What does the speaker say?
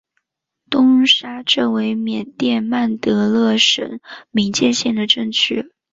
东沙镇为缅甸曼德勒省敏建县的镇区。